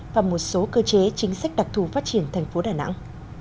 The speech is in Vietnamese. và một số cơ chế chính sách đặc thù phát triển thành phố đà nẵng